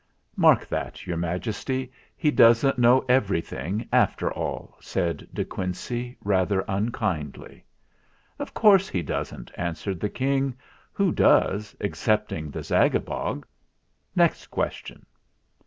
"Mark that, Your Majesty! He doesn't know everything, after all !" said De Quincey, rather unkindly. "Of course he doesn't," answered the King. "Who does excepting the Zagabog? Next question."